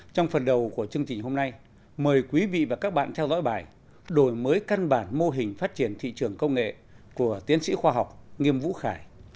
trong phần đầu của chương trình hôm nay mời quý vị và các bạn theo dõi bài đổi mới căn bản mô hình phát triển thị trường công nghệ của tiến sĩ khoa học nghiêm vũ khải